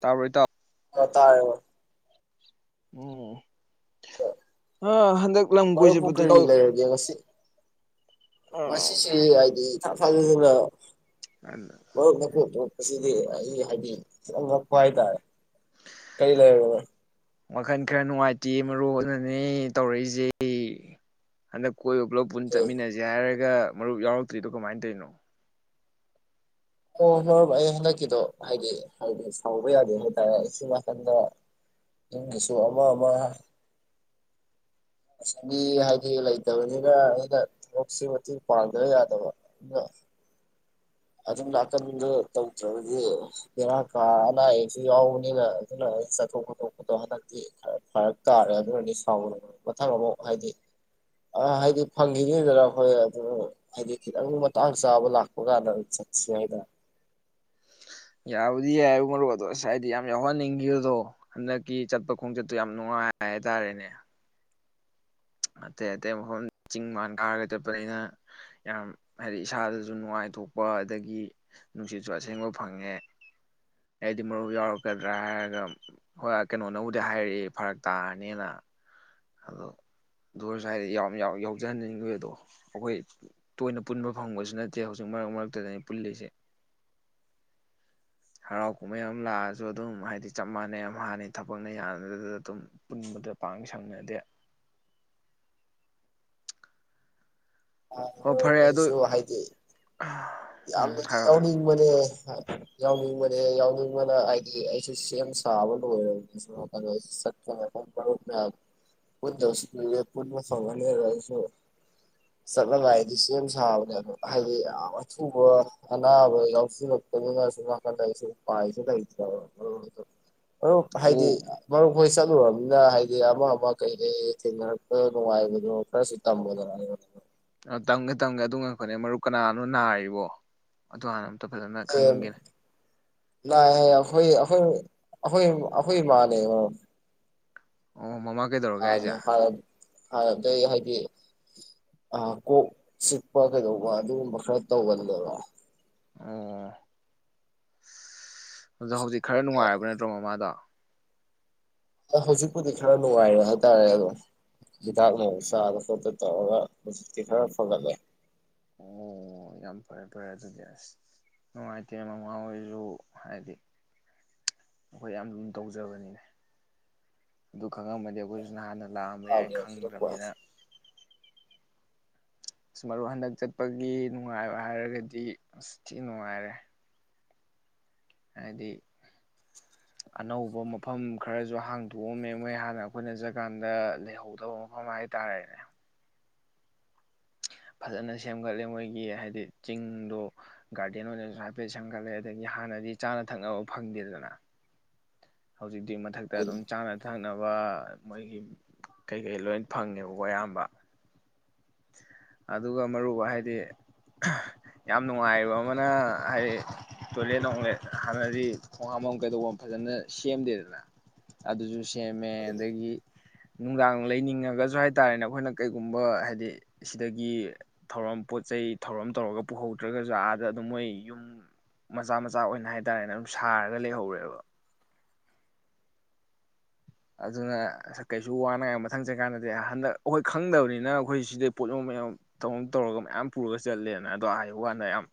ꯇꯥꯕ꯭ꯔ ꯏꯇꯥꯎ ꯑ ꯇꯥꯔꯦꯕ꯫ ꯎꯝ ꯑ ꯍꯟꯗꯛ ꯂꯝ ꯃꯔꯨꯞꯄꯨ ꯀꯣꯏꯖꯕꯗꯣ ꯀꯔꯤ ꯏꯇꯥꯎ ꯂꯩꯔꯒꯦ ꯉꯁꯤ ꯑ ꯉꯁꯤꯁꯦ ꯍꯥꯏꯗꯤ ꯏꯊꯥ [unintelligible] [unintelligible] ꯑꯁꯤꯗꯤ ꯑꯩ ꯍꯥꯏꯗꯤ ꯈꯤꯇꯡ ꯉꯛꯄ ꯍꯥꯏꯇꯥꯔꯦ ꯀꯔꯤ ꯂꯩꯔꯕꯅꯣ꯫ ꯋꯥꯈꯜ ꯈꯔ ꯅꯨꯡꯉꯥꯏꯇꯦ ꯃꯔꯨꯞ ꯑꯗꯨꯅꯅꯦ ꯇꯧꯔꯛꯏꯁꯦ ꯍꯟꯗꯛ꯫ ꯀꯣꯏꯕ ꯄꯨꯂꯞ ꯄꯨꯟ ꯆꯠꯃꯤꯟꯅꯖꯦ ꯍꯥꯏꯔꯒ ꯃꯔꯨꯞ ꯌꯥꯎꯔꯛꯇ꯭ꯔꯤꯗꯣ ꯀꯃꯥꯏꯅ ꯇꯧꯔꯤꯅꯣ ꯑꯣ ꯍꯣꯍꯣꯏ ꯕꯥꯏ ꯑꯩ ꯍꯟꯗꯛꯀꯤꯗꯣ ꯍꯥꯏꯗꯤ ꯍꯥꯏꯗꯤ ꯁꯥꯎꯕ ꯌꯥꯗꯦ ꯍꯥꯏꯇꯥꯔꯦ ꯁꯤ ꯅꯥꯀꯟꯗ ꯌꯨꯝꯒꯤꯁꯨ ꯑꯃ ꯑꯃ ꯑꯁ ꯃꯤ ꯍꯥꯏꯗꯤ ꯂꯩꯇꯕꯅꯤꯅ ꯑꯩꯅ ꯊꯕꯛꯁꯤ ꯃꯇꯦꯡ ꯄꯥꯡꯗꯕ ꯌꯥꯗꯕ ꯑꯗꯨꯝ ꯂꯥꯛꯇꯕꯤꯗ ꯇꯧꯗ꯭ꯔꯕꯗꯤ ꯕꯦꯔꯥ ꯀꯥ ꯑꯅꯥ ꯑꯌꯦꯛꯁꯦ ꯌꯥꯎꯕꯅꯤꯅ ꯑꯗꯨꯅ ꯆꯠꯊꯣꯛ ꯈꯣꯠꯇꯣꯛꯄꯗꯣ ꯍꯟꯗꯛꯇꯤ ꯈꯔ ꯐꯔꯛ ꯇꯥꯔꯦ ꯑꯗꯨꯑꯣꯏꯔꯗꯤ ꯁꯥꯎꯒꯅꯨ ꯃꯊꯪ ꯑꯃꯨꯛ ꯍꯥꯏꯗꯤ ꯑ ꯍꯥꯏꯗꯤ ꯐꯪꯈꯤꯅꯤꯗꯅ ꯑꯩꯈꯣꯏ ꯑꯗꯨꯝ ꯍꯥꯏꯗꯤ ꯈꯤꯇꯪ ꯃꯇꯥꯡ ꯆꯥꯕ ꯂꯥꯛꯄ ꯀꯥꯟꯗ꯫ [unintelligible] ꯌꯥꯕꯨꯗꯤ ꯌꯥꯏ ꯃꯔꯨꯞ ꯑꯗꯣ ꯑꯁ ꯍꯥꯏꯗꯤ ꯌꯥꯝ ꯌꯥꯎꯍꯟꯅꯤꯡꯈꯤꯕꯗꯣ ꯍꯟꯗꯛꯀꯤ ꯆꯠꯄ ꯈꯣꯡꯆꯠꯇꯣ ꯌꯥꯝ ꯅꯨꯡꯉꯥꯏ ꯍꯥꯏꯇꯥꯔꯦꯅꯦ꯫ ꯑꯇꯩ ꯑꯇꯩ ꯃꯐꯝ ꯆꯤꯡ ꯃꯥꯟ ꯀꯥꯔꯒ ꯆꯠꯄꯅꯤꯅ ꯌꯥꯝ ꯍꯥꯏꯗꯤ ꯏꯁꯥꯗꯁꯨ ꯅꯨꯡꯉꯥꯏꯊꯣꯛꯄ ꯑꯗꯒꯤ ꯅꯨꯡꯁꯤꯠꯁꯨ ꯑꯁꯦꯡꯕ ꯐꯪꯉꯦ ꯑꯩꯗꯤ ꯃꯔꯨꯞ ꯌꯥꯎꯔꯛꯀꯗ꯭ꯔꯥ ꯍꯥꯏꯔꯒ ꯍꯣꯏ ꯀꯩꯅꯣꯅꯕꯨꯗꯤ ꯍꯥꯏꯔꯛꯑꯦ ꯐꯔꯛ ꯇꯥꯔꯅꯤꯅ꯫ ꯑꯗꯣ ꯗꯣꯔ ꯁ꯭ꯋꯥꯏꯗ ꯌꯥꯎꯖꯍꯟꯅꯤꯡꯕꯒꯩꯗꯣꯗ ꯑꯗꯣ ꯑꯩꯈꯣꯏ ꯇꯣꯏꯅ ꯄꯨꯟꯕ ꯐꯪꯕꯁꯨ ꯅꯠꯇꯦ ꯍꯧꯖꯤꯛ ꯃꯔꯛ ꯃꯔꯛꯇꯗꯅꯤ ꯄꯨꯜꯂꯤꯁꯦ꯫ ꯍꯔꯥꯎ ꯀꯨꯝꯍꯩ ꯑꯃ ꯂꯥꯛꯑꯁꯨ ꯑꯗꯨꯝ ꯍꯥꯏꯗꯤ ꯆꯞ ꯃꯥꯟꯅꯩ ꯌꯥꯝ ꯍꯥꯟꯅꯩ ꯊꯕꯛꯅ ꯌꯥꯗ ꯑꯗꯨꯝ ꯄꯨꯟꯕꯗ ꯄꯥꯡ ꯁꯪꯅꯗꯦ꯫ ꯑ ꯍꯣꯏ ꯐꯔꯦ ꯑꯗꯨ ꯑꯩꯁꯨ ꯍꯥꯏꯗꯤ ꯎꯝ ꯌꯥꯝꯅꯗꯤ ꯍꯥꯏꯔꯣ ꯌꯥꯎꯅꯤꯡꯕꯅꯦ ꯌꯥꯎꯅꯤꯡꯕꯅꯦ ꯌꯥꯎꯅꯤꯡꯕꯅ ꯍꯥꯏꯗꯤ ꯑꯩꯁꯨ ꯁꯦꯝ ꯁꯥꯕ ꯂꯣꯏꯔꯕꯁꯨ ꯆꯠꯄ ꯃ ꯃꯌꯥꯝ ꯄꯨꯟꯗꯕꯁꯨ ꯀꯨꯏꯔꯦ ꯄꯨꯟꯕ ꯐꯪꯒꯅꯤꯔꯁꯨ ꯆꯠꯂꯝꯉꯥꯏꯗꯤ ꯁꯦꯝ ꯁꯥꯕꯅꯦ ꯑ ꯍꯥꯏꯗꯤ ꯌꯥꯝ ꯑꯊꯨꯕ ꯑꯅꯥꯕ ꯌꯥꯎꯁꯤꯜꯂꯛꯄꯅꯤꯅꯁꯨ ꯅꯥꯀꯟꯗ ꯑꯩꯁꯨ ꯄꯥꯏꯁꯨ ꯂꯩꯇ꯭ꯔꯕ꯫ ꯃꯔꯨꯞ ꯍꯥꯏꯗꯤ ꯃꯔꯨꯞ ꯍꯣꯏ ꯆꯠ ꯑꯗꯨꯒ ꯑꯃꯅ ꯍꯥꯏꯗꯤ ꯑꯃ ꯑꯃ ꯀꯩꯀꯩ ꯊꯦꯡꯅꯔꯛꯄ ꯅꯨꯡꯉꯥꯏꯕꯗꯣ ꯈꯔꯁꯨ ꯇꯝꯕꯅꯣ ꯑ ꯇꯪꯒꯦ ꯇꯪꯒꯦ ꯑꯗꯨ ꯉꯛ ꯈꯅꯤ ꯃꯔꯨ ꯀꯅꯥꯅꯣ ꯅꯥꯔꯤꯕꯣ ꯑꯗꯨ ꯍꯥꯟꯅ ꯑꯣ ꯐꯖꯅ ꯈꯪꯒꯦꯅꯦ ꯂ ꯑꯩꯈꯣꯏ ꯑꯩꯈꯣꯏ ꯑꯩꯈꯣꯏ ꯑꯩꯈꯣꯏ ꯃꯥꯅꯦ ꯑꯣ ꯃꯃꯥ ꯑ ꯀꯩꯗꯧꯔꯒꯦ ꯍꯥꯏꯁꯦ ꯍ ꯍꯥꯟꯅꯗꯩ ꯍꯥꯏꯗꯤ ꯀꯣꯛ ꯆꯤꯛꯄ ꯀꯩꯗꯧꯕ ꯑꯗꯨꯒꯨꯝꯕ ꯈꯔ ꯇꯧꯒꯅꯦꯗꯕꯣ ꯑꯣ ꯑꯗ ꯍꯧꯖꯤꯛ ꯈꯔ ꯅꯨꯡꯉꯥꯏꯔꯕ ꯅꯠꯇ꯭ꯔꯣ ꯃꯃꯥꯗꯣ ꯑ ꯍꯧꯖꯤꯛꯄꯨꯗꯤ ꯈꯔ ꯅꯨꯡꯉꯥꯏꯔꯦ ꯍꯥꯏꯇꯥꯔꯦ ꯑꯗꯣ ꯍꯤꯗꯥꯛ ꯅꯨꯡ ꯆꯥꯕꯥ ꯈꯣꯠꯄ ꯇꯧꯔꯒ ꯍꯧꯖꯤꯛꯇꯤ ꯈꯔ ꯐꯒꯠꯂꯦ ꯑꯣ ꯌꯥꯝ ꯐꯔꯦ ꯐꯔꯦ ꯑꯗꯨꯗꯤ ꯑꯁ ꯅꯨꯡꯉꯥꯏꯇꯦ ꯃꯃꯥ ꯑꯣꯏꯔꯁꯨ ꯍꯥꯏꯗꯤ ꯑꯩꯈꯣꯏ ꯌꯥꯝ ꯂꯨ ꯇꯧꯖꯕꯅꯤꯅꯦ ꯑꯗꯨ ꯈꯪꯉꯝꯃꯗꯤ ꯑꯩꯈꯣꯏꯁꯨ ꯅꯍꯥꯟꯅ ꯂꯥꯛꯑꯝꯕ ꯊꯥꯕ ꯌꯥꯏ ꯌꯧꯁꯤꯜꯂꯛꯄ ꯈꯪꯗ꯭ꯔꯕꯅꯤꯅ ꯑꯁ ꯃꯔꯨ ꯍꯟꯗꯛ ꯆꯠꯄꯒꯤ ꯅꯨꯡꯉꯥꯏꯕ ꯍꯥꯏꯔꯒꯗꯤ ꯑꯁ ꯊꯤ ꯅꯨꯡꯉꯥꯏꯔꯦ ꯍꯥꯏꯗꯤ ꯑꯅꯧꯕ ꯃꯐꯝ ꯈꯔꯁꯨ ꯍꯥꯡꯇꯣꯛꯑꯝꯃꯦ ꯃꯣꯏ ꯍꯥꯟꯅ ꯑꯩꯈꯣꯏꯅ ꯖꯀꯥꯟꯗ ꯂꯩꯍꯧꯗꯕ ꯃꯐꯝ ꯍꯥꯏꯇꯥꯥꯔꯦꯅꯦ ꯐꯖꯅ ꯁꯦꯝꯒꯠꯂꯦ ꯃꯣꯏꯒꯤ ꯍꯥꯏꯗꯤ ꯆꯤꯡꯗꯣ ꯒꯥꯔꯗꯦꯟ ꯑꯣꯏꯅꯁꯨ ꯍꯥꯏꯐꯦꯠ ꯁꯦꯝꯒꯠꯂꯦ ꯑꯗꯒꯤ ꯍꯥꯟꯅꯗꯤ ꯆꯥꯅ ꯊꯛꯅꯕ ꯐꯪꯗꯦꯗꯅ ꯍꯧꯖꯤꯛ ꯑꯗꯨ ꯃꯊꯛꯇ ꯑꯗꯨꯝ ꯆꯥꯅ ꯊꯛ ꯊꯛꯅꯕ ꯃꯣꯏꯒꯤ ꯀꯩꯀꯩ ꯂꯣꯏ ꯐꯪꯉꯦꯕꯀꯣ ꯑꯌꯥꯝꯕ ꯑꯗꯨꯒ ꯃꯔꯨꯞ ꯍꯥꯏꯗꯤ ꯌꯥꯝ ꯅꯨꯡꯉꯥꯏꯕ ꯑꯃꯅ ꯍꯥꯏꯗꯤ ꯇꯣꯏꯂꯦꯠ ꯂꯦꯠ ꯍꯥꯟꯅꯗꯤ ꯈꯣꯡ ꯍꯥꯝꯕꯝ ꯀꯩꯗꯧꯕ ꯐꯖꯅ ꯁꯦꯝꯗꯦꯗꯅ ꯑꯗꯨꯁꯨ ꯁꯦꯝꯃꯦ ꯑꯗꯒꯤ ꯅꯨꯡꯗꯥꯡ ꯂꯩꯅꯤꯡꯉꯒꯁꯨ ꯍꯥꯏꯇꯥꯥꯔꯦꯅꯦ ꯑꯩꯈꯣꯏꯅ ꯀꯩꯒꯨꯝꯕ ꯍꯥꯏꯗꯤ ꯁꯤꯗꯒꯤ ꯊꯧꯔꯝ ꯄꯣꯠ ꯆꯩ ꯊꯧꯔꯝ ꯇꯧꯔꯒ ꯄꯨꯍꯧꯗ꯭ꯔꯒꯁꯨ ꯑꯥꯗ ꯑꯗꯨꯝ ꯃꯣꯏ ꯌꯨꯝ ꯃꯆꯥ ꯃꯆꯥ ꯑꯣꯏꯅ ꯍꯥꯏ ꯇꯔꯦꯅꯦ ꯑꯗꯨꯝ ꯁꯥꯔꯒ ꯂꯩꯍꯧꯔꯦꯕ ꯑꯗꯨꯅ ꯀꯩꯁꯨ ꯋꯥꯅꯉꯥꯏ ꯃꯊꯪ ꯆꯠꯀꯥꯟꯗꯗꯤ ꯍꯟꯗꯛ ꯑꯩꯈꯣꯏ ꯈꯪꯗꯕꯅꯤꯅ ꯑꯩꯈꯣꯏ ꯁꯤꯗꯩ ꯄꯣꯠ ꯌꯣ ꯃꯌꯥꯝꯊꯧꯔꯝ ꯇꯧꯔꯒ ꯃꯌꯥꯝ ꯄꯨꯔꯒ ꯆꯠꯂꯦꯅ ꯑꯗꯣ ꯍꯥꯏꯕ ꯀꯥꯟꯗ ꯌꯥꯝ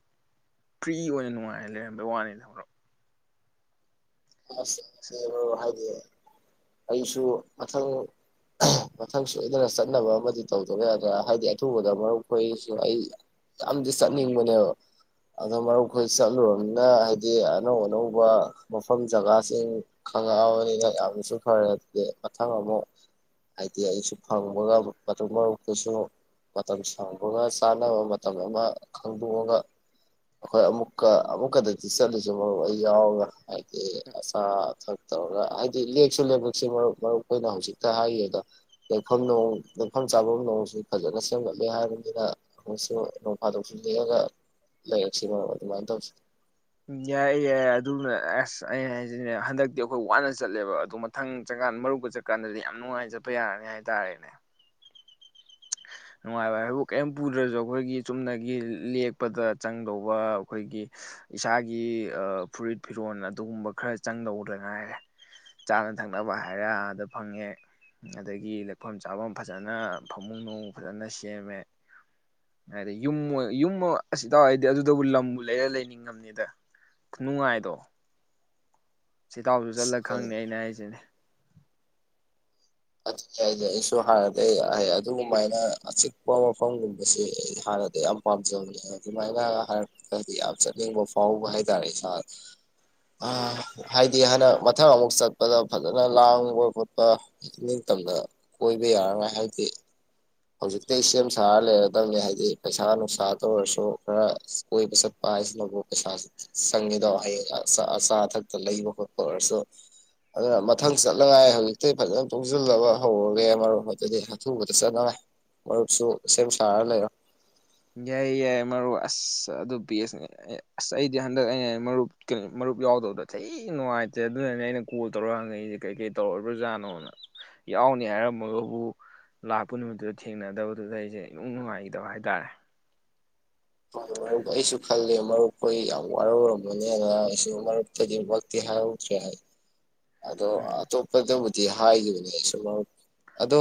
ꯐ꯭ꯔꯤ ꯑꯣꯏꯅ ꯅꯨꯡꯉꯥꯏꯔ ꯂꯩꯔꯝꯕꯩ ꯋꯥꯅꯤꯗꯕ꯭ꯔꯣ ꯑꯁ [unintelligible] ꯍꯥꯏꯗꯤ ꯑꯩꯁꯨ ꯃꯊꯪ ꯃꯊꯪ ꯁꯣꯏꯗꯅ ꯆꯠꯅꯕ ꯑꯃꯗꯤ ꯇꯧꯗꯕ ꯌꯥꯗ꯭ꯔꯥ ꯍꯥꯏꯕꯗꯤ ꯑꯊꯨꯕꯗ ꯃꯔꯨꯞ ꯈꯣꯏꯁꯨ ꯑꯩ ꯌꯥꯝꯗꯤ ꯆꯠꯅꯤꯡꯕꯅꯦꯕ ꯑꯗꯨꯣ ꯃꯔꯨꯞ ꯈꯣꯏ ꯆꯠꯂꯨꯅꯤꯅ ꯍꯥꯏꯕꯗꯤ ꯑꯅꯧ ꯑꯅꯧꯕ ꯃꯐꯝ ꯖꯒꯥꯁꯤꯡ ꯈꯪꯉꯛꯑꯕꯅꯤꯅ ꯌꯥꯝꯅꯁꯨ ꯐꯔꯦ ꯑꯗꯨꯗꯤ ꯃꯊꯪ ꯑꯃꯨꯛ ꯍꯥꯏꯗꯤ ꯑꯩꯁꯨ ꯐꯪꯕꯒ ꯃ ꯃꯔꯨꯞꯛꯇꯁꯨ ꯃꯇꯝ ꯁꯪꯕꯒ ꯆꯥꯅꯕ ꯃꯇꯝ ꯑꯃ ꯈꯪꯗꯣꯛꯉꯒ ꯑꯩꯈꯣꯏ ꯑꯃꯨꯛꯀ ꯑꯃꯨꯛꯀꯗꯗꯤ ꯆꯠꯂꯨꯁ ꯃꯔꯨ ꯑꯩ ꯌꯥꯎꯔꯒ ꯍꯥꯏꯗꯤ ꯑꯆꯥ ꯑꯊꯛ ꯇꯧꯔꯒ ꯍꯥꯏꯗꯤ ꯂꯦꯛꯁꯨ ꯂꯕꯛꯁꯤ ꯃꯔꯨꯞ ꯃꯔꯨꯞ ꯑꯣꯏꯅ ꯍꯧꯖꯤꯛꯇ ꯍꯥꯏꯈꯤ ꯑꯗꯣ ꯂꯩꯐꯝ ꯅꯣꯡ ꯂꯩꯐꯝ ꯆꯥꯐꯝ ꯅꯣꯡꯁꯨ ꯐꯖꯅ ꯁꯦꯝꯒꯠꯂꯦ ꯍꯥꯏꯔꯕꯅꯤꯅ ꯑꯃꯨꯛꯁꯨ ꯅꯣꯡ ꯐꯥꯗꯣꯛꯁꯨ ꯂꯦꯛꯑꯒ ꯂꯩꯔꯛꯁꯤ ꯃꯔꯨꯞ ꯑꯗꯨꯃꯥꯏꯅ ꯇꯧꯁꯤ ꯎꯝ ꯌꯥꯏꯌꯦ ꯌꯥꯏꯌꯦ ꯑꯗꯨꯅ ꯑꯁ ꯑꯩꯅ ꯍꯥꯏꯁꯤꯅꯦ ꯍꯟꯗꯛꯇꯤ ꯑꯩꯈꯣꯏ ꯋꯥꯅ ꯆꯠꯂꯦꯕ ꯑꯗꯨꯗꯣ ꯃꯊꯪ ꯆꯪꯀꯥꯟꯗ ꯃꯔꯨꯞꯀ ꯆꯠꯀꯥꯟꯗꯗꯤ ꯌꯥꯝ ꯅꯨꯡꯉꯥꯏ ꯆꯠꯄ ꯌꯥꯔꯅꯤ ꯍꯥꯏꯇꯥꯔꯦꯅꯦ ꯅꯨꯡꯉꯥꯏꯕ ꯍꯥꯏꯕꯨ ꯀꯔꯤꯝ ꯄꯨꯗ꯭ꯔꯁꯨ ꯑꯩꯈꯣꯏꯒꯤ ꯆꯨꯝꯅꯒꯤ ꯂꯦꯛꯄꯗ ꯆꯪꯗꯧꯕ ꯑꯩꯈꯣꯏꯒꯤ ꯏꯁꯥꯒꯤ ꯐꯨꯔꯤꯠ ꯐꯤꯔꯣꯣꯟꯜ ꯑꯗꯨꯒꯨꯝꯕ ꯈꯔ ꯆꯪꯗꯧꯗ ꯉꯥꯏꯔꯦ ꯆꯥꯅ ꯊꯛꯅꯕ ꯍꯥꯏꯔꯦ ꯑꯥꯗ ꯐꯪꯉꯦ ꯑꯗꯒꯤ ꯂꯦꯛꯐꯝ ꯆꯥꯐꯝ ꯐꯖꯅ ꯐ ꯑꯃꯃꯨ ꯅꯣꯡꯃ ꯐꯖꯅ ꯁꯦꯝꯃꯦ ꯍꯥꯏꯗꯤ ꯌꯨꯝ ꯌꯨꯝ ꯑꯁꯤ ꯇꯧꯔꯏꯗꯤ ꯑꯗꯨꯗꯕꯨ ꯂꯝꯕꯨ ꯂꯩꯔ ꯂꯩꯅꯤꯡꯉꯝꯅꯤꯗꯅꯨꯡꯉꯥꯏꯗꯣ ꯁꯤꯇꯥꯎꯁꯨ ꯆꯠꯂꯒ ꯈꯪꯅꯤ ꯑꯩꯅ ꯍꯥꯏꯁꯤꯅꯦ ꯍꯥꯏꯁꯦ ꯑꯩꯁꯨ ꯍꯥꯟꯅꯗꯒꯤ ꯑꯗꯨꯒꯃꯥꯏꯅ ꯑꯆꯤꯛꯄ ꯃꯐꯝꯒꯨꯝꯕꯁꯦ ꯑꯩ ꯍꯥꯟꯅꯗ ꯌꯥꯝ ꯄꯥꯝꯖꯕꯅꯦ ꯑꯗꯨꯃꯥꯏꯅ ꯍꯥꯏꯔꯛꯄꯗꯤ ꯌꯥꯝ ꯆꯠꯅꯤꯡꯕ ꯐꯥꯎꯕ ꯍꯥꯏ ꯇꯔꯦ ꯏꯁꯥ ꯍꯥꯏꯗꯤ ꯍꯗꯛ ꯃꯊꯪ ꯑꯃꯨꯛ ꯆꯠꯄꯗ ꯐꯖꯅ ꯂꯥꯡꯕ ꯈꯣꯠꯄ ꯅꯤꯡꯇꯝꯅ ꯀꯣꯏꯕ ꯌꯥꯔꯔꯣꯏ ꯍꯥꯏꯗꯤ ꯍꯧꯖꯤꯛꯇꯤ ꯁꯦꯝ ꯁꯥꯔ ꯂꯩꯔꯗꯝꯕꯅꯦ ꯍꯥꯏꯗꯤ ꯄꯩꯁꯥ ꯅꯨꯡꯁꯥꯇ ꯑꯣꯏꯔꯁꯨ ꯈꯔ ꯀꯣꯏꯕ ꯆꯠꯄ ꯍꯥꯏꯁꯤꯅꯕꯨ ꯄꯩꯁꯥꯁꯤ ꯆꯪꯉꯤꯗꯣ ꯍꯌꯦꯡ ꯑꯆꯥ ꯑꯊꯛꯇ ꯂꯩꯕ ꯈꯣꯠꯄ ꯑꯣꯏꯔꯁꯨ ꯑꯗꯨꯅ ꯃꯊꯪ ꯆꯠꯂꯉꯥꯏ ꯍꯧꯖꯤꯛꯇꯤ ꯐꯖꯅ ꯄꯨꯨꯡꯁꯤꯜꯂꯕ ꯍꯧꯔꯒꯦ ꯃꯔꯣꯝ ꯑꯗꯨꯗꯤ ꯑꯊꯨꯕꯗ ꯆꯠꯅꯉꯥꯏ ꯃꯔꯨꯞ ꯁꯨ ꯁꯦꯝ ꯁꯔꯥ ꯂꯩꯔꯣ ꯌꯥꯏ ꯌꯥꯏ ꯃꯔꯨꯞ ꯑꯁ ꯑꯗꯨ ꯄꯁꯅꯦ ꯑꯁ ꯑꯩꯗꯤ ꯍꯟꯗꯛ ꯑꯩꯅ ꯃꯔꯨꯞ ꯃꯔꯨꯞ ꯌꯥꯎꯗꯕꯗ ꯊꯤ ꯅꯨꯡꯉꯥꯏꯇ꯭ꯔꯦ ꯑꯗꯨꯅꯅꯦ ꯑꯩꯅ ꯀꯣꯜ ꯇꯧꯔ ꯍꯪꯉꯛꯏꯁꯦ ꯀꯩꯀꯩ ꯇꯧꯔꯛꯕ꯭ꯔꯣꯖꯥꯠꯅꯣꯅ ꯌꯥꯎꯅꯤ ꯍꯥꯏꯔꯝꯃꯒꯕꯨ ꯂꯥꯛꯄ ꯅꯨꯃꯤꯠꯇꯨꯗ ꯊꯦꯡꯅꯗꯕꯗꯨꯗ ꯑꯩꯁꯦ ꯏꯅꯨꯡ ꯅꯨꯡꯉꯥꯏꯈꯤꯗꯕ ꯍꯥꯏꯇꯥꯔꯦ ꯍ ꯃꯔꯨꯞ ꯑꯩꯁꯨ ꯈꯜꯂꯦ ꯃꯔꯨꯞꯈꯣꯏ ꯌꯥꯝ ꯋꯥꯔꯧꯔꯝꯕꯅꯤꯅ ꯑꯩꯁꯨ ꯃꯔꯨꯞꯇꯗꯤꯃꯛꯇꯤ ꯍꯥꯏꯍꯧꯗ꯭ꯔꯦ ꯍꯥꯏ ꯑꯗꯣ ꯎꯝ ꯑꯆꯣꯠꯄꯗ ꯑꯣꯏꯗꯤ ꯗꯤ ꯍꯥꯏꯈꯤꯕꯅꯦ ꯑꯩꯁꯨ ꯃꯔꯨꯞ ꯑꯗꯣ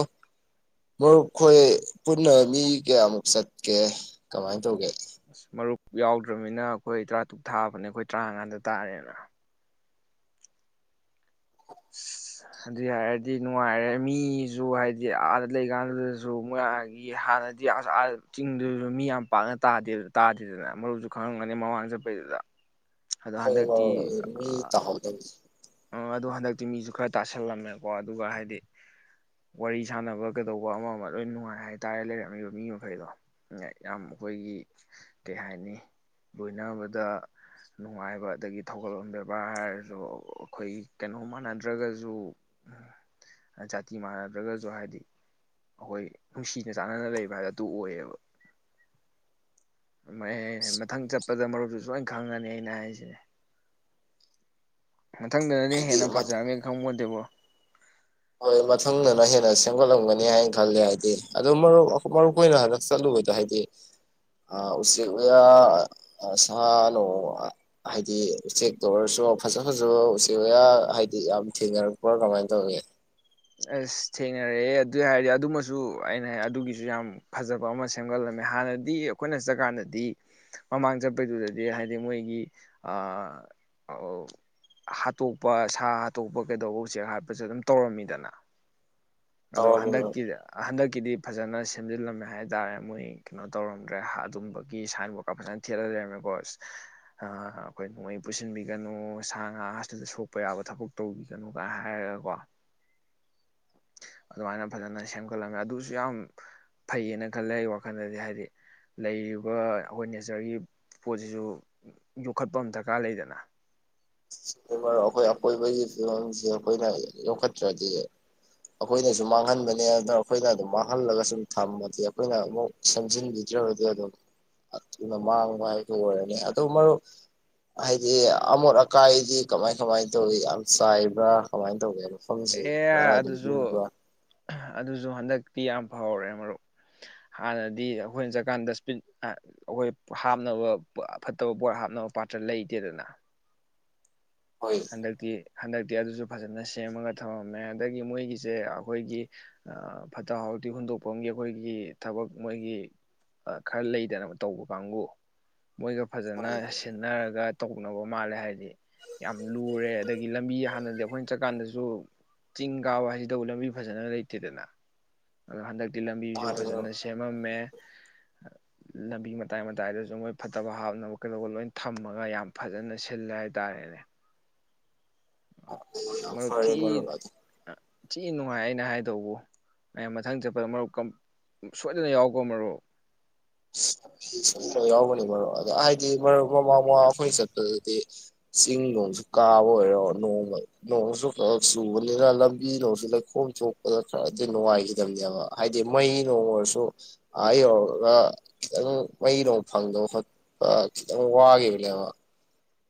ꯃꯔꯨꯞ ꯑꯩꯈꯣꯏ ꯄꯨꯟꯅ ꯃꯤ ꯀꯌꯥꯃꯨꯛ ꯆꯠꯀꯦ ꯀꯃꯥꯏꯅ ꯇꯧꯒꯦ ꯑꯁ ꯃꯔꯨꯞ ꯌꯥꯎꯗ꯭ꯔꯃꯤꯅ ꯑꯩꯈꯣꯏ ꯇꯔꯥꯇꯔꯨꯛ ꯊꯥꯕꯅꯦ ꯑꯩꯈꯣꯏ ꯇꯔꯥꯃꯉꯥꯟꯗ ꯇꯥꯔꯦꯅ ꯑꯁ ꯑꯗꯨꯢ ꯍꯥꯏꯔꯗꯤ ꯅꯨꯡꯉꯥꯏꯔꯦ ꯃꯤꯁꯨ ꯍꯥꯏꯗꯤ ꯑꯥꯗ ꯂꯩꯀꯥꯟꯗꯨꯗꯁꯨ ꯃꯣꯏꯒꯤ ꯍꯥꯟꯅꯗꯤ ꯑꯁ ꯑꯥ ꯆꯤꯡꯗꯨꯁꯨ ꯃꯤ ꯌꯥꯝ ꯄꯥꯛꯅ ꯇꯥꯗꯦ ꯇꯥꯗꯦꯗꯅ ꯃꯔꯨꯞꯁꯨ ꯈꯪꯉꯝꯒꯅꯤ ꯃꯃꯥꯡ ꯆꯠꯄꯩꯗꯨꯗ ꯑꯗꯣ ꯈꯡꯏ ꯍꯟꯗꯛꯇꯤ ꯈꯡꯏ ꯃꯤ ꯇꯥꯍꯧꯗꯝꯅꯤ ꯑꯗꯣ ꯍꯟꯗꯛꯇꯤ ꯃꯤꯁꯨ ꯈꯔ ꯇꯥꯁꯜꯂꯝꯃꯦꯀꯣ ꯑꯗꯨꯒ ꯍꯥꯏꯗꯤ ꯋꯥꯔꯤ ꯁꯥꯟꯅꯕ ꯀꯩꯗꯧꯕ ꯑꯃ ꯑꯃ ꯂꯣꯏ ꯅꯨꯡꯉꯥꯏ ꯍꯥꯏꯇꯥꯔꯦ ꯂꯩꯔꯝꯃꯤꯕ ꯃꯤ ꯃꯈꯩꯗꯣ ꯌꯥꯝ ꯑꯩꯈꯣꯏꯒꯤ ꯀꯩ ꯍꯥꯏꯅꯤ ꯂꯣꯏꯅꯕꯗ ꯅꯨꯡꯉꯥꯏꯕ ꯑꯗꯒꯤ ꯊꯧꯒꯜꯂꯣꯟ ꯕꯦꯕꯥꯔ ꯍꯥꯏꯔꯁꯨ ꯑꯩꯈꯣꯏ ꯀꯩꯅꯣ ꯃꯥꯟꯅꯗ꯭ꯔꯒꯁꯨ ꯖꯥꯇꯤ ꯃꯥꯟꯅꯗ꯭ꯔꯒꯁꯨ ꯍꯥꯏꯗꯤ ꯑꯩꯈꯣꯏ ꯅꯨꯡꯁꯤꯅ ꯆꯥꯟꯅꯅ ꯂꯩꯕ ꯍꯥꯏꯗ ꯑꯗꯨ ꯑꯣꯏꯌꯦꯕ ꯃꯊꯪ ꯆꯠꯄꯗ ꯃꯔꯨꯞꯁꯨ ꯁꯣꯏꯅ ꯈꯪꯉꯅꯤ ꯑꯩꯅ ꯍꯥꯏꯁꯤꯦ ꯃꯊꯪꯗꯅꯅꯦ ꯍꯥꯏꯗꯤ ꯍꯦꯟꯅ ꯐꯖꯔꯃꯦ ꯈꯪꯄꯣꯟꯇꯦꯕꯣ ꯍꯣꯏ ꯃꯊꯪꯗꯅ ꯍꯦꯟꯅ ꯁꯦꯝꯒꯠꯂꯝꯒꯅꯤ ꯍꯥꯏꯅ ꯈꯜꯂꯦ ꯍꯥꯏꯗꯤ ꯑꯗꯨ ꯃꯔꯨꯞ ꯃꯔꯨꯞ ꯑꯣꯏꯅ ꯍꯟꯗꯛ ꯆꯠꯂꯨꯕꯗꯣ ꯍꯥꯏꯗꯤ ꯎꯆꯦꯛ ꯌꯥ ꯋꯥꯌꯥ ꯁꯥꯅꯨꯡ ꯍꯥꯏꯗꯤ ꯎꯆꯦꯛꯛꯇ ꯑꯣꯏꯔꯁꯨ ꯐꯖ ꯐꯖꯕ ꯎꯆꯦꯛ ꯌꯥ ꯍꯥꯏꯗꯤ ꯌꯥꯝ ꯊꯦꯡꯅꯔꯛꯄ꯭ꯔꯥ ꯀꯃꯥꯏꯅ ꯇꯧꯏ ꯑꯁ ꯊꯦꯡꯅꯔꯛꯑꯦ ꯑꯗꯨꯏ ꯍꯥꯏꯔꯗꯤ ꯑꯗꯨꯃꯁꯨ ꯑꯩꯅ ꯑꯗꯨꯒꯤꯁꯨ ꯌꯥꯝ ꯐꯖꯕ ꯑꯃ ꯁꯦꯝꯒꯠꯂꯝꯃꯦ ꯍꯥꯟꯅꯗꯤ ꯑꯩꯈꯣꯏꯅ ꯆꯠꯀꯥꯟꯗꯗꯤ ꯃꯃꯥꯡ ꯆꯠꯄꯩꯗꯨꯗꯗꯤ ꯍꯥꯏꯗꯤ ꯃꯣꯏꯒꯤ ꯍꯥꯠꯇꯣꯛꯄ ꯁꯥ ꯍꯥꯠꯇꯣꯛꯄ ꯀꯩꯗꯧꯕ ꯎꯆꯦꯛ ꯍꯥꯠꯄꯁꯨ ꯑꯗꯨꯝ ꯇꯧꯔꯝꯃꯤꯗꯅ ꯑꯗꯣ ꯇꯧꯔꯝꯃꯤꯅꯣ ꯍꯟꯗꯛꯀꯤ ꯍꯟꯗꯛ ꯒꯤꯗꯤ ꯐꯖꯅ ꯁꯦꯝꯖꯤꯜꯂꯝꯃꯦ ꯍꯥꯏꯇꯥꯔꯦ ꯃꯣꯏ ꯀꯩꯅꯣ ꯇꯧꯔꯝꯗ꯭ꯔꯦ ꯑꯗꯨꯝꯕꯒꯤ ꯁꯥꯏꯟꯕꯣꯔꯠꯀ ꯐꯖꯅ ꯊꯦꯠ ꯂꯩꯔꯝꯃꯦꯀꯣ ꯑꯩꯈꯣꯏ ꯅꯣꯡꯃꯩ ꯄꯨꯁꯤꯟꯕꯤꯒꯅꯨ ꯁꯥ ꯉꯥꯗ ꯁꯣꯛꯄ ꯌꯥꯕ ꯊꯕꯛ ꯇꯧꯕꯤꯒꯅꯨ ꯀꯥꯏꯅ ꯍꯥꯏꯔꯒꯀꯣ ꯑꯗꯨꯃꯥꯏꯅ ꯐꯖꯅ ꯁꯦꯝꯒꯠꯂꯝꯃꯦ ꯑꯗꯨꯁꯨ ꯌꯥꯝ ꯐꯩꯌꯦꯅ ꯈꯜꯂꯦ ꯑꯩ ꯋꯥꯈꯜꯗꯗꯤ ꯍꯥꯏꯗꯤ ꯂꯩꯔꯤꯕ ꯑꯩꯈꯣꯏ ꯅꯦꯆꯔꯒꯤ ꯄꯣꯠꯁꯤꯁꯨ ꯌꯣꯛꯈꯠꯄ ꯑꯃ ꯗꯔꯀꯥꯔ ꯂꯩꯗꯅ ꯍꯣꯏ ꯍꯣꯏ ꯑꯩꯈꯣꯏ ꯑꯀꯣꯏꯕꯒꯤ ꯐꯤꯕꯝꯁꯦ ꯑꯩꯈꯣꯏꯅ ꯌꯣꯛꯈꯠꯇ꯭ꯔꯗꯤ ꯑꯩꯈꯣꯏꯅꯁꯨ ꯃꯥꯡꯍꯟꯕꯅꯦ ꯑꯗꯨꯅ ꯑꯩꯈꯣꯏꯅ ꯑꯗꯨꯝ ꯃꯥꯡꯍꯜꯂꯒ ꯁꯨꯝ ꯊꯝꯃꯗꯤ ꯑꯩꯈꯣꯏꯅ ꯑꯃꯨꯛ ꯁꯦꯝꯖꯤꯟꯕꯤꯗ꯭ꯔꯒꯗꯤ ꯑꯗꯨꯝꯅ ꯃꯥꯡꯕ ꯍꯥꯏꯕ ꯑꯣꯏꯔꯅꯤ ꯑꯗꯨ ꯃꯔꯨꯞ ꯍꯥꯏꯗꯤ ꯑꯃꯣꯠ ꯑꯀꯥꯏꯗꯤ ꯀꯃꯥꯏ ꯀꯃꯥꯏꯅ ꯇꯧꯏꯤ ꯌꯥꯝ ꯆꯥꯏꯕ꯭ꯔꯥ ꯀꯃꯥꯏꯅ ꯇꯧꯒꯦ ꯃꯐꯝꯁꯤ ꯑꯦ ꯈꯔ ꯑꯗꯨꯝ ꯑꯗꯨꯁꯨ ꯂꯨꯕ꯭ꯔꯥ ꯑꯗꯨꯁꯨ ꯍꯟꯗꯛꯇꯤ ꯌꯥꯝ ꯐꯥꯎꯔꯦ ꯃꯔꯨꯞ ꯍꯥꯟꯅꯗꯤ ꯑꯩꯈꯣꯏꯅ ꯆꯠꯀꯥꯟꯗꯁꯄꯤꯟ ꯑꯩꯈꯣꯏ ꯍꯥꯞꯅꯕ ꯐꯠꯇꯕ ꯄꯣꯠ ꯍꯥꯞꯅꯕ ꯄꯥꯠꯇ꯭ꯔ ꯂꯩꯇꯦꯗꯅ ꯍꯣꯏ ꯍꯟꯗꯛꯇꯤ ꯍꯟꯗꯛꯇꯤ ꯑꯗꯨꯁꯨ ꯐꯖꯅ ꯁꯦꯝꯃꯒ ꯊꯃꯝꯃꯦ ꯑꯗꯒꯤ ꯃꯣꯏꯒꯤꯁꯦ ꯑꯩꯈꯣꯏꯒꯤ ꯐꯠꯇ ꯍꯥꯎꯗꯤꯤ ꯍꯨꯟꯗꯣꯛꯐꯝꯒꯤ ꯑꯩꯈꯣꯏꯒꯤ ꯊꯕꯛ ꯃꯣꯏꯒꯤ ꯈꯔ ꯂꯩꯗꯅꯕ ꯇꯧꯕ ꯀꯥꯡꯕꯨ ꯃꯣꯏꯒ ꯐꯖꯅ ꯍꯣꯏ ꯁꯤꯟꯅꯔꯒ ꯇꯧꯅꯕ ꯃꯥꯜꯂꯦ ꯍꯥꯏꯗꯤ ꯌꯥꯝ ꯂꯨꯔꯦ ꯑꯗꯒꯤ ꯂꯝꯕꯤ ꯍꯥꯟꯅꯗꯤ ꯑꯩꯈꯣꯏꯅ ꯆꯠꯀꯥꯟꯗꯁꯨ ꯆꯤꯡ ꯀꯥꯕ ꯍꯥꯏꯁꯤꯗꯕꯨ ꯂꯝꯕꯤ ꯐꯖꯅ ꯂꯩꯇꯦꯗꯅ ꯑꯗꯣ ꯍꯟꯗꯛ ꯇꯤ ꯂꯝꯕꯤꯁꯨ ꯃꯥꯅꯤ ꯐꯖꯅ ꯃꯔꯨꯞ ꯁꯦꯝꯃꯝꯃꯦ ꯂꯝꯕꯤ ꯃꯇꯥꯏ ꯃꯇꯥꯏꯗꯁꯨ ꯃꯣꯏ ꯐꯠꯇꯕ ꯍꯥꯞꯅꯕ ꯀꯩꯗꯧꯕ ꯂꯣꯏ ꯊꯝꯃꯒ ꯌꯥꯝ ꯐꯖꯅ ꯁꯤꯜꯂꯦ ꯍꯥꯏꯇꯥꯥꯔꯦꯅꯦ ꯐꯔꯦ ꯃꯔꯨꯞ ꯑꯗꯨꯗꯤ ꯊꯤ ꯅꯨꯡꯉꯥꯏ ꯑꯩꯅ ꯍꯥꯏꯗꯧꯕꯕꯨ ꯍꯌꯦꯡ ꯃꯊꯪ ꯆꯠꯄꯗ ꯃꯔꯨꯞ ꯀꯝ ꯁꯣꯏꯗꯅ ꯌꯥꯎꯀꯣ ꯃꯔꯨꯞ ꯌꯥꯎꯒꯅꯤ ꯃꯔꯨꯞ ꯑꯗꯣ ꯍꯥꯏꯗꯤ ꯃꯔꯨꯞ ꯃ ꯃꯥꯃꯣ ꯑꯩꯈꯣꯏ ꯆꯠꯄꯗꯨꯗꯤ ꯆꯤꯡ ꯅꯨꯡꯁꯨ ꯀꯥꯕ ꯑꯣꯏꯔꯣ ꯅꯣꯡ ꯅꯣꯡꯁꯨ ꯈꯛ ꯆꯨꯕꯅꯤꯅ ꯂꯝꯕꯤꯗꯣꯁꯨ ꯂꯩꯈꯣꯝ ꯊꯣꯛꯛꯄꯗ ꯈꯔꯗꯤ ꯅꯨꯡꯉꯥꯏꯈꯤꯗꯕꯅꯦꯕ ꯍꯥꯏꯗꯤ ꯃꯩ ꯅꯣꯡ ꯑꯣꯏꯔꯁꯨ ꯑ ꯌꯧꯔꯒ ꯈꯤꯇꯪ ꯃꯩꯅꯨꯡ ꯐꯪꯗꯕ ꯈꯣꯠꯄ ꯈꯤꯇꯪ ꯋꯥꯈꯤꯕꯅꯦꯕ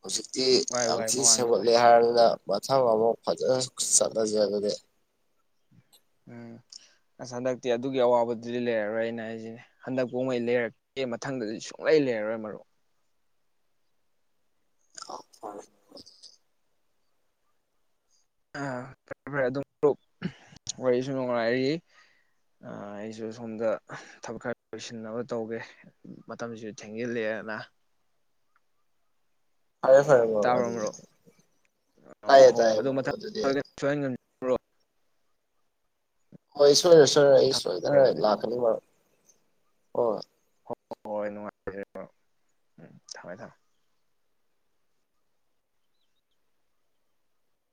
ꯍꯧꯖꯤꯛꯇꯤ ꯋꯥꯏ ꯌꯥꯝ ꯋꯥꯏ ꯊꯤꯅ ꯃꯃꯥꯡꯒꯤ ꯋꯥꯏ ꯁꯦꯝꯒꯠꯂꯦ ꯍꯥꯏꯔꯗꯨꯅ ꯃꯊꯪ ꯑꯃꯨꯛ ꯐꯖꯅ ꯆꯠꯅꯁꯦ ꯑꯗꯨꯗꯤ ꯎꯝ ꯑꯁ ꯍꯟꯗꯛꯇꯤ ꯑꯗꯨꯒꯤ ꯑꯋꯥꯕꯗꯨꯗꯤ ꯂꯩꯔꯔꯣꯏ ꯑꯩꯅ ꯍꯥꯏꯁꯤꯅꯦ ꯍꯟꯗꯛ ꯀꯉꯩ ꯂꯩꯔꯛꯇꯦ ꯃꯊꯪꯗꯗꯤ ꯁꯨꯡꯂꯩ ꯂꯩꯔꯔꯣꯏ ꯃꯔꯨꯞ ꯑꯥꯎ ꯐꯔꯦ ꯐꯔꯦ ꯑꯗꯨꯝ ꯃꯔꯨꯞ ꯋꯥꯔꯤꯁꯨ ꯅꯨꯡꯉꯥꯏꯔꯤ ꯑꯩꯁꯨ ꯁꯣꯝꯗ ꯊꯕꯛ ꯈꯔ ꯂꯣꯏꯁꯤꯟꯅꯕ ꯇꯧꯒꯦ ꯃꯇꯝꯁꯤꯁꯨ ꯊꯦꯡꯖꯤꯜꯂꯦꯅ ꯐꯔꯦ ꯐꯔꯦ ꯑꯗꯨꯗꯤ ꯌꯥ ꯇꯥꯏꯌꯦ ꯇꯥꯏꯌꯦ ꯑꯗꯨꯗꯤ ꯌꯥ ꯃꯔꯨꯄ ꯍꯣꯏ ꯁꯣꯏꯔꯦꯏ ꯁꯣꯏꯔꯦꯏ ꯑꯩ ꯃꯊꯪ ꯁꯣꯏꯗꯅ ꯑꯗꯨꯗꯤ ꯂꯥꯛꯀꯅꯤ ꯃꯔꯨꯞ ꯑꯣ ꯍꯣꯏ ꯍꯣꯏ ꯅꯨꯡꯉꯥꯏꯖꯔꯦ ꯃꯔꯨꯞ ꯎꯝ ꯊꯝꯃꯦ ꯊꯝꯃꯦ